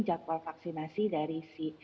jadwal vaksinasi dari si